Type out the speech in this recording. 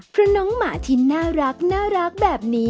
เพราะน้องหมาทินน่ารักนะครับ